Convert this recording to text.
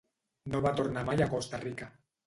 No va tornar mai a Costa Rica.